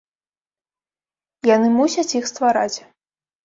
Яны мусяць іх ствараць.